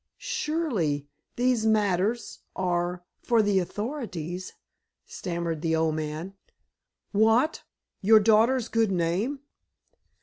"Surely—these matters—are—for the authorities," stammered the older man. "What? Your daughter's good name?"